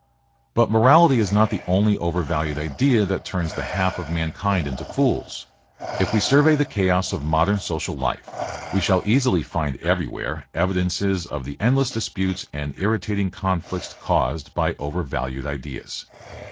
But morality is not the only overvalued idea that turns the half of mankind into fools. If we survey the chaos of modern social life we shall easily find everywhere evidences of the endless disputes and irritating conflicts caused by overvalued ideas.